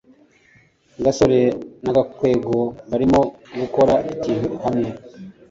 gasore na gakwego barimo gukora ikintu hamwe